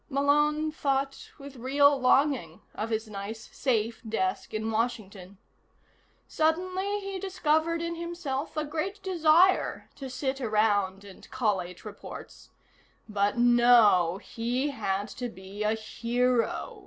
Malone thought with real longing of his nice, safe desk in Washington. Suddenly he discovered in himself a great desire to sit around and collate reports. But no he had to be a hero.